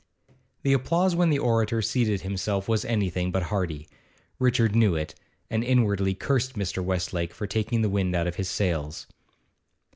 The applause when the orator seated himself was anything but hearty. Richard knew it, and inwardly cursed Mr. Westlake for taking the wind out of his sails.